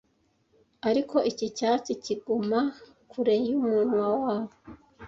Ariko iki cyatsi kiguma kure yumunwa wabo